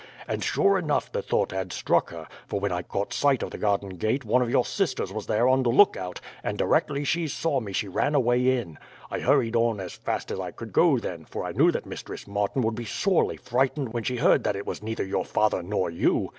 And sure enough the thought had struck her; for when I caught sight of the garden gate one of your sisters was there on the lookout, and directly she saw me she ran away in. I hurried on as fast as I could go then, for I knew that Mistress Martin would be sorely frightened when she heard that it was neither your father nor you.